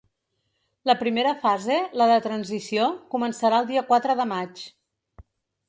La primera fase, la de transició, començarà el dia quatre de maig.